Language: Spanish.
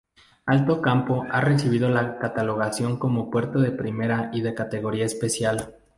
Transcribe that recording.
Alto Campoo ha recibido la catalogación como puerto de primera y de categoría especial.